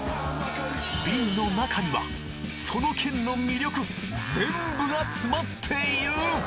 ビンの中にはその県の魅力ぜんぶが詰まっている！